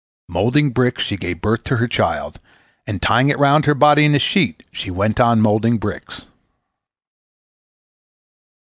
Moulding bricks she gave birth to her child, and, tying it round her body in a sheet, she went on moulding bricks.